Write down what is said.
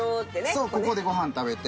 そうここでご飯食べて。